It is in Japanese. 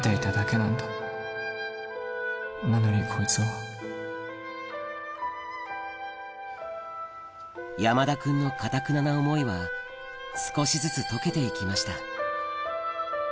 なのにこいつは山田君のかたくなな思いは少しずつ解けて行きました